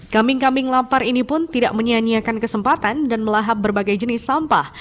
kambing kambing lampar ini pun tidak menyanyiakan kesempatan dan melahap berbagai jenis sampah